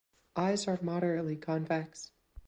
Eyes are moderately convex.